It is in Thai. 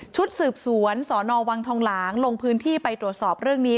ชุดสืบสวนสนวังทองหลางลงพื้นที่ไปตรวจสอบเรื่องนี้